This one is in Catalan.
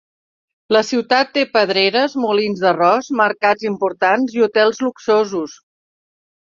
La ciutat té pedreres, molins d'arròs, mercats importants i hotels luxosos.